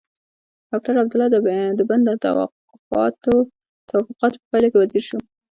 ډاکټر عبدالله د بن د توافقاتو په پايله کې وزیر شو.